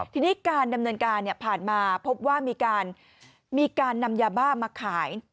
ทีนี้การดำเนินการผ่านมาพบว่ามีการนำยาบ้ามาขาย